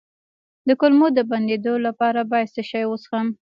د کولمو د بندیدو لپاره باید څه شی وڅښم؟